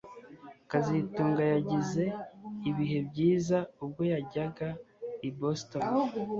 kazitunga yagize ibihe byiza ubwo yajyaga i Boston